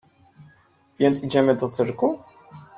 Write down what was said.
Więc idziemy do cyrku?